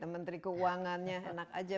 menteri keuangannya enak aja